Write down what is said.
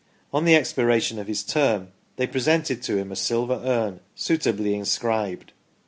On the ex piration of his term, they presented to him a silver urn, suitably inscribed.